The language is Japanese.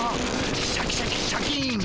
シャキシャキシャキン！